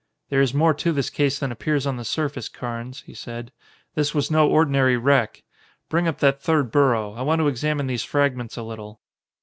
"There is more to this case than appears on the surface, Carnes," he said. "This was no ordinary wreck. Bring up that third burro; I want to examine these fragments a little.